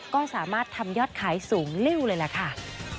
ก็สามารถทำยอดขายสูงริ้วเลยล่ะค่ะ